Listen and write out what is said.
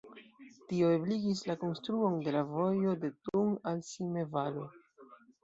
Tio ebligis la konstruon de la vojo de Thun al Simme-Valo.